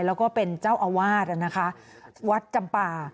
แล้วก็เป็นเจ้าอาวาสนะคะวัดจำป่า